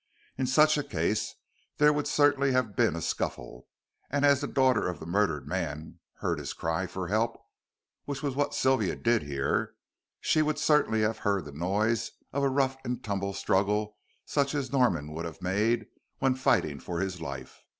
In such a case there would certainly have been a scuffle, and as the daughter of the murdered man heard his cry for help which was what Sylvia did hear she would certainly have heard the noise of a rough and tumble struggle such as Norman would have made when fighting for his life.